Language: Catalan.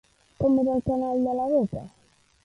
Com era la canal de la boca?